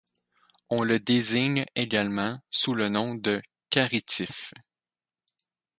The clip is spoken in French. On le désigne également sous le nom de caritif.